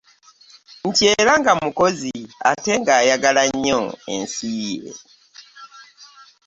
Nti era nga mukozi ate ayagala ennyo ensi ye.